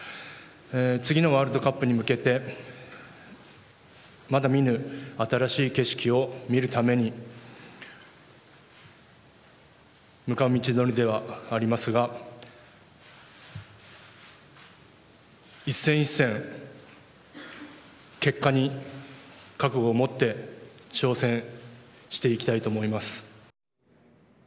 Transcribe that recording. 次のワールドカップに向けてまだ見ぬ新しい景色を見るために向かう道のりではありますが一戦一戦、結果に覚悟を持って挑戦していきたいと思います。